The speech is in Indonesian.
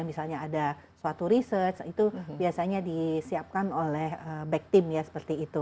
misalnya ada suatu research itu biasanya disiapkan oleh back team ya seperti itu